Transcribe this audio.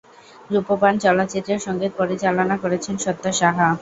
রূপবান চলচ্চিত্রের সঙ্গীত পরিচালনা করেছেন সত্য সাহা।